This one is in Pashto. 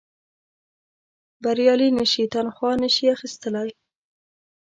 بریالي نه شي تنخوا نه شي اخیستلای.